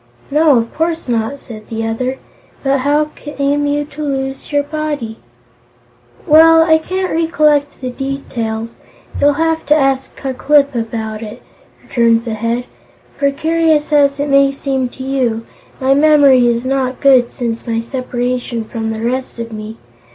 "No, of course not," said the other. "But how came you to lose your body?" "Well, I can't recollect the details; you'll have to ask Ku Klip about it," returned the Head. "For, curious as it may seem to you, my memory is not good since my separation from the rest of me.